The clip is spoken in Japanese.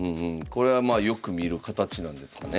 これはまあよく見る形なんですかね。